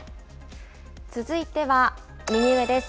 続いては右上です。